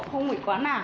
không bị quá nả